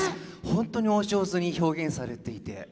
本当にお上手に表現されていて。